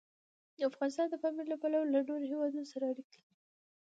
افغانستان د پامیر له پلوه له نورو هېوادونو سره اړیکې لري.